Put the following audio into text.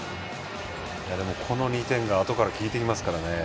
この２点があとから効いてきますからね。